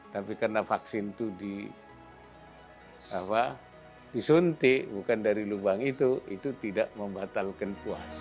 tapi karena vaksin itu disuntik bukan dari lubang itu itu tidak membatalkan puasa